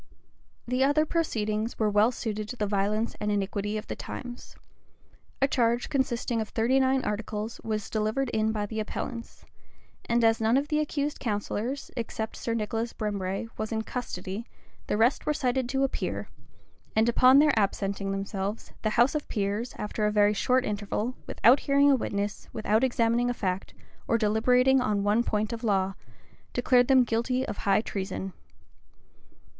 The other proceedings were well suited to the violence and iniquity of the times. A charge consisting of thirty nine articles, was delivered in by the appellants; and as none of the accused counsellors, except Sir Nicholas Brembre, was in custody, the rest were cited to appear; and upon their absenting themselves, the house of peers, after a very short interval, without hearing a witness, without examining a fact, or deliberating on one point of law, declared them guilty of high treason.